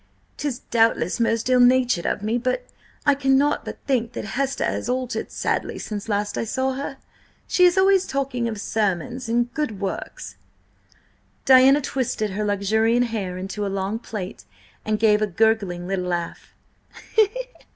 'Tis doubtless most ill natured of me, but I cannot but think that Hester has altered sadly since last I saw her. She is always talking of sermons and good works!" Diana twisted her luxuriant hair into a long plait, and gave a gurgling little laugh.